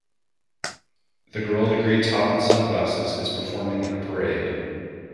The girl in the green top and sunglasses is performing in a parade.